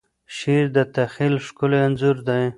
شعر د تخیل ښکلی انځور دی.